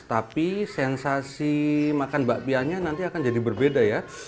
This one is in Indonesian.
tapi sensasi makan bakpianya nanti akan jadi berbeda ya